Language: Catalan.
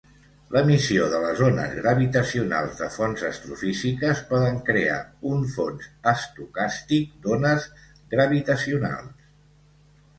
L'emissió de les ones gravitacionals de fonts astrofísiques poden crear un fons estocàstic d'ones gravitacionals.